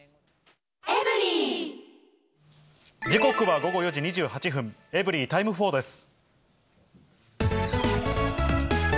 時刻は午後４時２８分、エブリィタイム４です。